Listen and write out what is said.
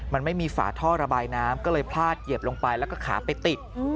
มันไม่มีฝาท่อระบายน้ำก็เลยพลาดเหยียบลงไปแล้วก็ขาไปติด